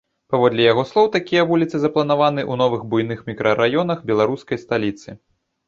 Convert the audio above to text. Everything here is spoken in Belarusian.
Паводле яго слоў, такія вуліцы запланаваны ў новых буйных мікрараёнах беларускай сталіцы.